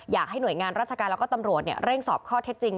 อยากให้หน่วยงานราชการแล้วก็ตำรวจเร่งสอบข้อเท็จจริง